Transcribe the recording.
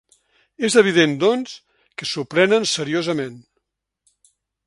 És evident, doncs, que s’ho prenen seriosament.